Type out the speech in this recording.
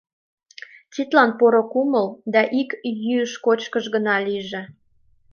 Тидлан поро кумыл да ик йӱыш-кочкыш гына лийже.